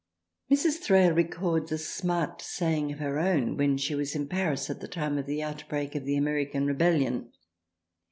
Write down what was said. Mrs. Thrale records a smart saying of her own when she was in Paris at the time of the outbreak of the American Rebellion.